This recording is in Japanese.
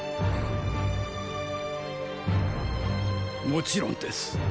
もちろんです。